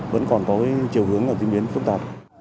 vẫn còn có chiều hướng diễn biến phức tạp